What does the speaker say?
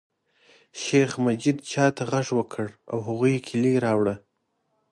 شیخ مجید چاته غږ وکړ او هغوی کیلي راوړله.